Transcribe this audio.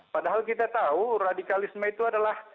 padahal kita tahu radikalisme itu adalah